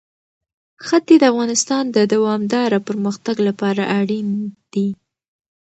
ښتې د افغانستان د دوامداره پرمختګ لپاره اړین دي.